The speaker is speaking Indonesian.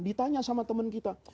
ditanya sama temen kita